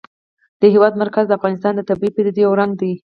د هېواد مرکز د افغانستان د طبیعي پدیدو یو رنګ دی.